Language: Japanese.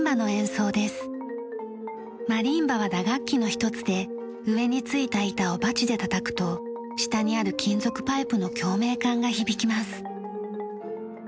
マリンバは打楽器の一つで上に付いた板をバチで叩くと下にある金属パイプの共鳴管が響きます。